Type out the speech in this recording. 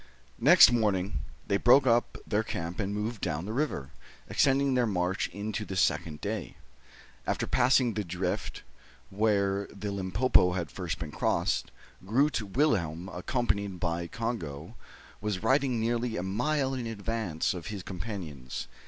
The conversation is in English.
Next morning, they broke up their camp and moved down the river, extending their march into the second day. After passing the drift where the Limpopo had been first crossed, Groot Willem, accompanied by Congo, was riding nearly a mile in advance of his companions.